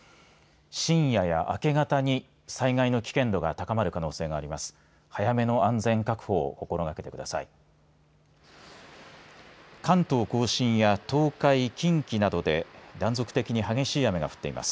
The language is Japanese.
深夜や明け方に災害の危険度が高まる可能性があります。